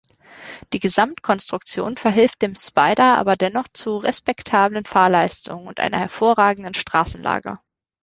Die Gesamtkonstruktion verhilft dem Spider aber dennoch zu respektablen Fahrleistungen und einer hervorragenden Straßenlage.